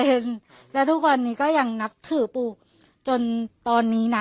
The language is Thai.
ร้อยเปอร์เซนและทุกคนนี้ก็ยังนับถือปู่จนตอนนี้นะ